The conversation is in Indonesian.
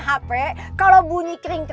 kalau bunyi kering kering kering kok bisa nge review